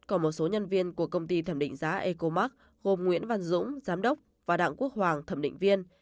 còn một số nhân viên của công ty thẩm định giá ecomark gồm nguyễn văn dũng giám đốc và đặng quốc hoàng thẩm định viên